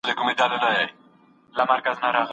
وېښته مي ولاړه سپین سوه لا دي را نکئ جواب